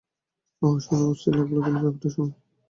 উহ, শুনে অস্থির লাগলো, কিন্তু ব্যাপারটা শোনো।